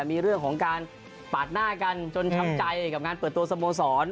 มีเรื่องของการปาดหน้ากันจนช้ำใจกับงานเปิดตัวสโมสร